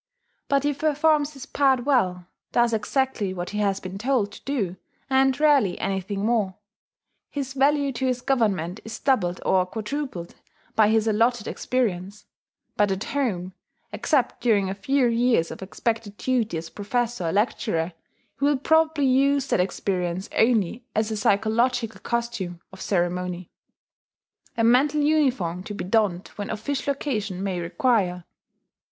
But he performs his part well, does exactly what he has been told to do, and rarely anything more. His value to his Government is doubled or quadrupled by his allotted experience; but at home except during a few years of expected duty as professor or lecturer he will probably use that experience only as a psychological costume of ceremony, a mental uniform to be donned when official occasion may require.